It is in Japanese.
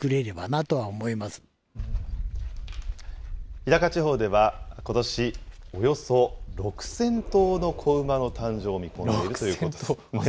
日高地方では、ことし、およそ６０００頭の子馬の誕生を見込んでいるということです。